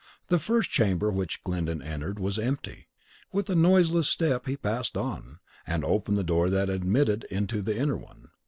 The first chamber which Glyndon entered was empty. With a noiseless step he passed on, and opened the door that admitted into the inner one.